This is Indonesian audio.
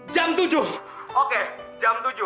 jam tujuh oke jam tujuh